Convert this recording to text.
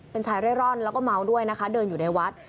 เป็นชายเร่ร่อนแล้วก็เมาด้วยนะคะเดินอยู่ในวัด